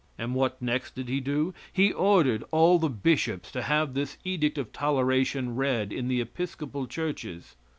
And what next did he do? He ordered all the bishops to have this edict of toleration read in the Episcopal churches.